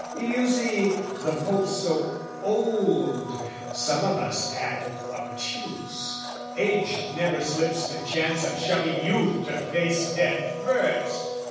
You see, the Pope's so old, "Some of us add, obtuse, age never slips "The chance of shoving youth to face death first!"